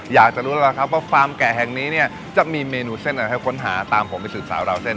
อยากจะรู้แล้วล่ะครับว่าฟาร์มแกะแห่งนี้เนี่ยจะมีเมนูเส้นอะไรให้ค้นหาตามผมไปสืบสาวราวเส้น